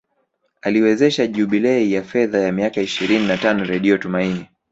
Aliwezesha jubilei ya fedha ya miaka ishirini na tano redio Tumaini